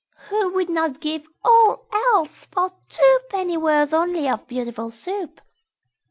Who would not give all else for two Pennyworth only of Beautiful Soup?